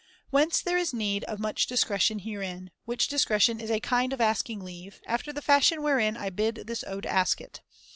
Whence there is need of [803 much discretion herein, which discretion is a kind of asking leave, after the fashion wherein I bid this ode ask it.